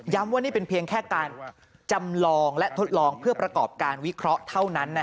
ว่านี่เป็นเพียงแค่การจำลองและทดลองเพื่อประกอบการวิเคราะห์เท่านั้น